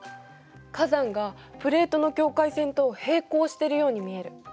火山がプレートの境界線と平行してるように見える。